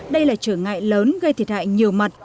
đây là trở ngại lớn